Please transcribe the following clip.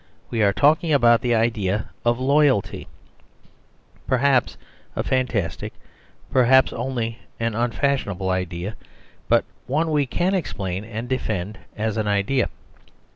We are talking about the idea of loyalty ; per haps a fantastic, perhaps only an unfashion able idea, but one we can explain and defend as an idea.